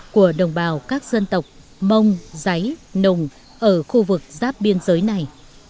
của đồng bào các dân tộc mông giấy nồng ở khu vực giáp biên giới này